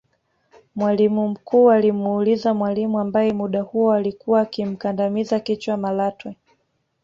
Mwalimu mkuu alimuuliza mwalimu ambaye muda huo alikuwa akimkandamiza kichwa Malatwe